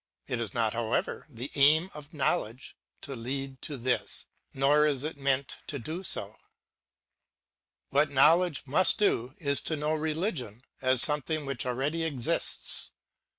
It is not, however, the aim of knowledge to lead to this, nor is it meant to do so. What knowledge must do is to know religion as some thing which already exists.